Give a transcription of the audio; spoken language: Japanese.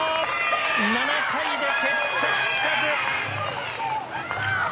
７回で決着つかず。